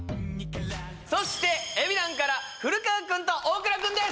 そしてＥＢｉＤＡＮから古川君と大倉君です